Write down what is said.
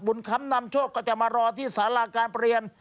คำนำโชคก็จะมารอที่สาราการประเรียน